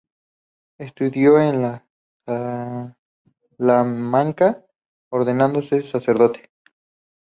Estudió en Salamanca, ordenándose sacerdote.